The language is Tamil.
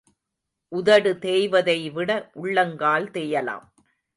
உதடு தேய்வதைவிட உள்ளங்கால் தேயலாம்.